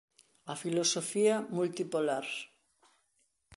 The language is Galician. A filosofía multipolar